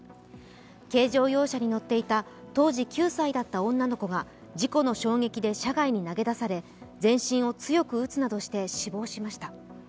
軽乗用車に乗っていた当時９歳だった女の子が事故の衝撃で車外に投げ出され全身を強く打つなどして死亡しました。